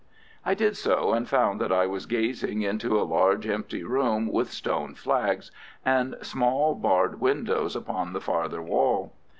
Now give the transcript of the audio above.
I did so, and found that I was gazing into a large, empty room, with stone flags, and small, barred windows upon the farther wall.